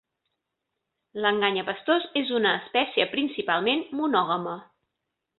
L'enganyapastors és una espècie principalment monògama.